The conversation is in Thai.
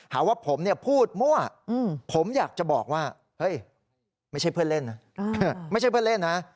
หาว่าผมพูดมั่วผมอยากจะบอกว่าเฮ้ยไม่ใช่เพื่อนเล่นนะ